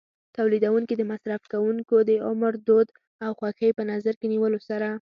تولیدوونکي د مصرف کوونکو د عمر، دود او خوښۍ په نظر کې نیولو سره.